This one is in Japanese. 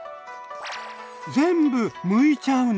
全部むいちゃうの？